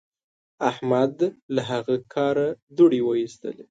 احمد له هغه کاره دوړې واېستلې.